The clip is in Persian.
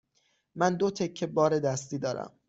من دو تکه بار دستی دارم.